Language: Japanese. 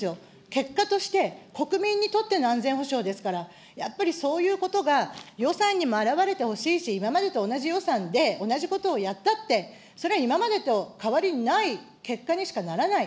結果として、国民にとっての安全保障ですから、やっぱりそういうことが予算にも表れてほしいし、今までと同じ予算で同じことをやったって、それは今までと変わりない結果にしかならない。